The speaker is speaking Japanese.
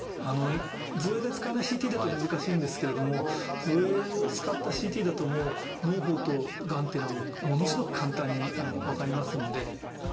造影剤を使わないＣＴだと難しいんですけれども造影を使ったＣＴだともうのう胞とがんっていうのはものすごく簡単に分かりますんで。